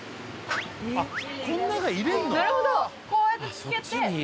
こうやってつけて。